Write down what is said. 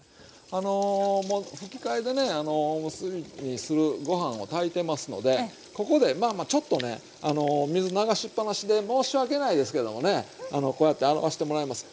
あのもうふきかえでねおむすびにするご飯を炊いてますのでここでちょっとね水流しっぱなしで申し訳ないですけどもねこうやって洗わしてもらいます。